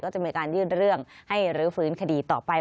จะมีการยื่นเรื่องให้รื้อฟื้นคดีต่อไป